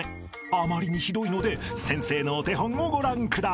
［あまりにひどいので先生のお手本をご覧ください］